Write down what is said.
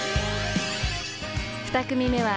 ［２組目は］